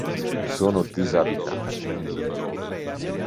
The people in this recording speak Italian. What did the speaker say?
Sono disabitate.